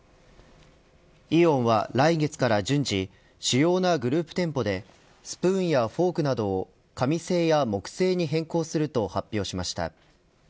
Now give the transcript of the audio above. イオンは来月から順次主要なグループ店舗でスプーンやフォークなどを紙製や木製に変更すると発表しました。